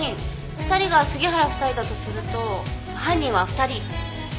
２人が杉原夫妻だとすると犯人は２人。